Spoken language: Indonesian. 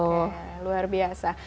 oke luar biasa